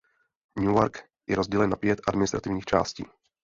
Newark je rozdělen na pět administrativních částí.